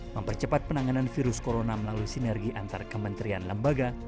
mempercepat penanganan virus corona melalui sinergi antar kementerian lembaga